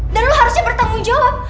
dan lo harusnya bertanggung jawab